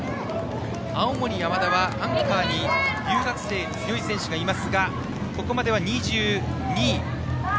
青森山田はアンカーに留学生の強い選手がいますがここまでは２２位。